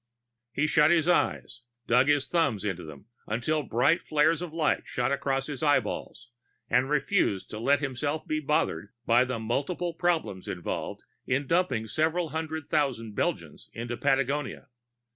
He shut his eyes, dug his thumbs into them until bright flares of light shot across his eyeballs, and refused to let himself be bothered by the multiple problems involved in dumping several hundred thousand Belgians into Patagonia.